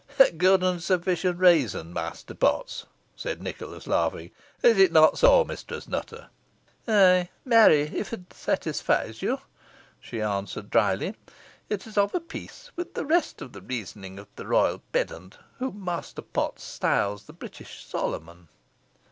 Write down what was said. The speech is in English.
'" "A good and sufficient reason, Master Potts," said Nicholas, laughing; "is it not so, Mistress Nutter?" "Ay, marry, if it satisfies you," she answered, drily. "It is of a piece with the rest of the reasoning of the royal pedant, whom Master Potts styles the British Solomon."